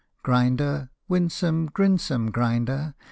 Grinder, winsome grinsome Grinder!